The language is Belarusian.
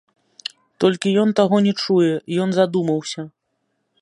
Толькі ён таго не чуе, ён задумаўся.